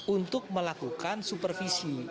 untuk melakukan supervisi